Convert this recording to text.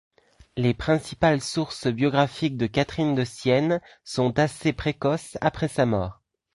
Les principales sources biographiques de Catherine de Sienne sont assez précoces après sa mort.